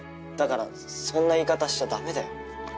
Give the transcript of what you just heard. だからそんな言い方しちゃ駄目だよ。